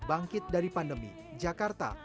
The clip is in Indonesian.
bangkit dari pandemi jakarta